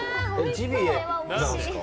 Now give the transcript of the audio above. ジビエなんですか？